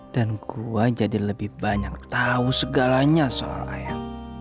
dan gue jadi lebih banyak tau segalanya soal ayah